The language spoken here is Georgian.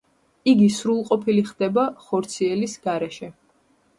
იგი სრულყოფილი ხდება ხორციელის გარეშე.